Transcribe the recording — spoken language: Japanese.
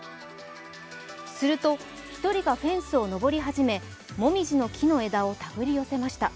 すると、１人がフェンスを上り始めもみじの木の枝を手繰り寄せました。